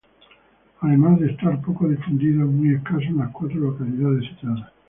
Además de estar poco difundido, es muy escaso en las cuatro localidades citadas.